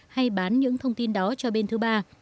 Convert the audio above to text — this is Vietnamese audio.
hay bán những thông tin đó cho bên thứ ba